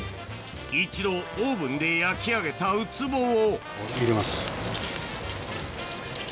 一度オーブンで焼き上げたウツボを入れます。